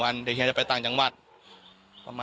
ฟังเสียงลูกจ้างรัฐตรเนธค่ะ